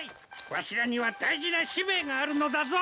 わしらには大事な使命があるのだぞ！